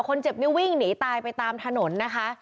คนเจ็บนี่วิ่งหนีตายไปตามถนนนะคะ